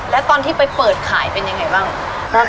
แล้วตอนที่ไปเปิดขายเป็นยังไงบ้าง